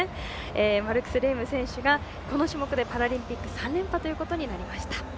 マルクス・レーム選手がその種目でパラリンピック３連覇ということになりました。